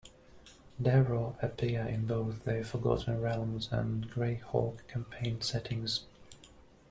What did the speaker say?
Derro appear in both the Forgotten Realms and Greyhawk campaign settings.